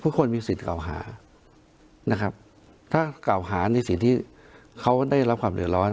ผู้คนมีสิทธิ์เก่าหานะครับถ้าเก่าหานี่สิทธิเขาได้รับความเหลือร้อน